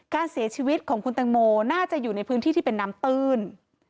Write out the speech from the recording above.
การเสียชีวิตของคุณตังโมน่าจะอยู่ในพื้นที่ที่เป็นน้ำตื้น